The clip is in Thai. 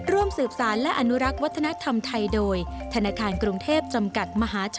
ร่วมสืบสารและอนุรักษ์วัฒนธรรมไทยโดยธนาคารกรุงเทพจำกัดมหาชน